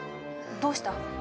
どうした？